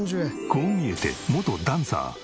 こう見えて元ダンサー。